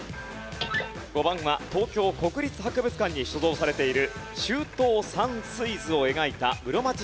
５番は東京国立博物館に所蔵されている『秋冬山水図』を描いた室町時代の画家。